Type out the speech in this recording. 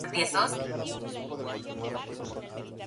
Es el fundador y director del Middle East Forum.